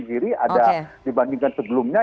jadi saya kira ada dikira ada dibandingkan sebelumnya